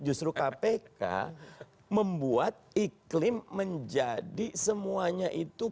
justru kpk membuat iklim menjadi semuanya itu